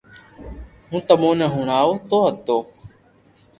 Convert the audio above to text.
ھون تمو ني ھڻاوتو ھتو